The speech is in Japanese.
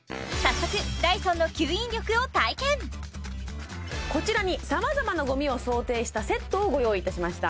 早速こちらに様々なゴミを想定したセットをご用意いたしました